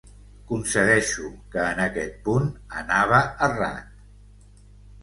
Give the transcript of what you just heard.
Concedeixo que en aquest punt anava errat.